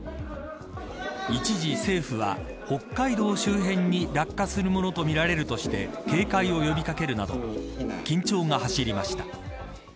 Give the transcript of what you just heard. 一時、政府は、北海道周辺に落下するものとみられるとして警戒を呼び掛けるなど緊張がはしりました。